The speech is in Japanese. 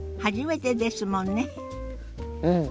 うん。